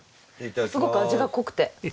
すごく味が濃くて。